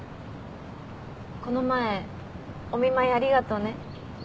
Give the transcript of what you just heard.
この前お見舞いありがとうね。